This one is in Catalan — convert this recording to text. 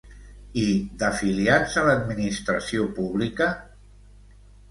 I d'afiliats a l'administració pública?